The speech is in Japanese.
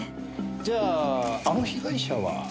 じゃああの被害者は？